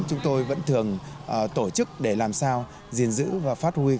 chúng tôi vẫn thường tổ chức để làm sao gìn giữ và phát huy